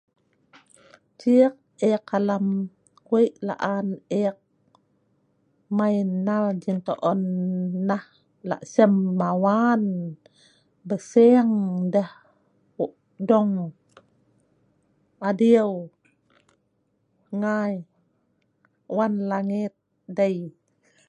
Ciik ek alam wei' laan eek mai nnal jintoon nah laksem mawan belseng deh dong adiu ngai wan langet dei